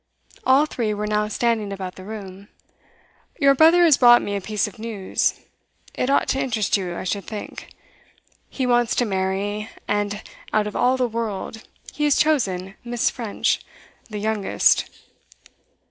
All three were now standing about the room. 'Your brother has brought me a piece of news. It ought to interest you, I should think. He wants to marry, and out of all the world, he has chosen Miss. French the youngest.